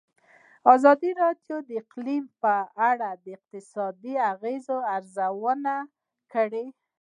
ازادي راډیو د اقلیم په اړه د اقتصادي اغېزو ارزونه کړې.